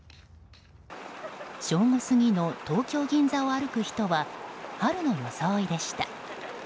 正午過ぎの東京・銀座を歩く人は春の装いでした。